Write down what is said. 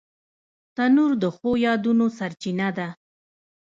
تنور د ښو یادونو سرچینه ده